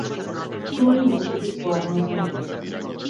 Тоа е можеби поарно за него.